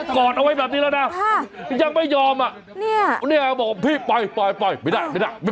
โถนี่ขนาดน่าค่ะ